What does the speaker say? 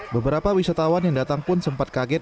beberapa wisatawan yang datang pun sempat kaget